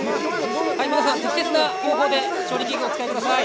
適切な方法で調理器具をお使いください。